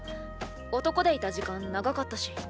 男でいた時間長かったし。